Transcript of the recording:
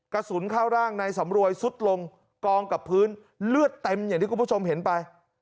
กระสุนเข้าร่างนายสำรวยสุดลงกองกับพื้นเลือดเต็มอย่างที่คุณผู้ชมเห็นไป